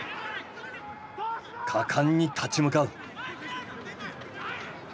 果敢に立ち向かう。